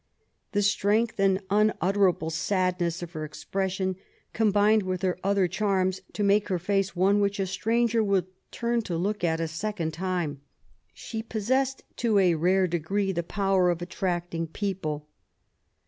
The strength and unutterable sadness of her •expression combined with her other charms to make her face one which a stranger would turn to look at e, second time. She possessed to a rare degree the power of attracting people.